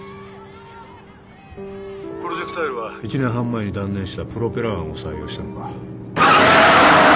プロジェクタイルは１年半前に断念したプロペラ案を採用したのか。